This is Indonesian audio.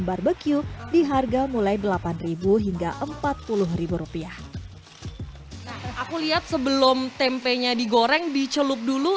barbecue di harga mulai delapan ribu hingga empat puluh rupiah aku lihat sebelum tempenya digoreng dicelup dulu